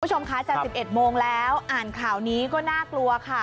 คุณผู้ชมคะจาก๑๑โมงแล้วอ่านข่าวนี้ก็น่ากลัวค่ะ